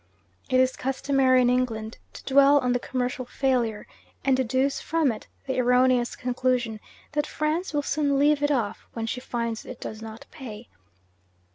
It is customary in England to dwell on the commercial failure, and deduce from it the erroneous conclusion that France will soon leave it off when she finds it does not pay.